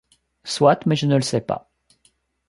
Soit, mais je ne le sais pas !